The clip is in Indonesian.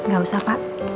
gak usah pak